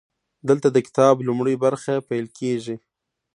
دلته د کتاب لومړۍ برخه پیل کیږي.